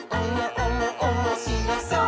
おもしろそう！」